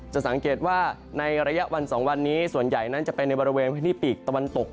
สังเกตว่าในระยะวัน๒วันนี้ส่วนใหญ่นั้นจะเป็นในบริเวณพื้นที่ปีกตะวันตก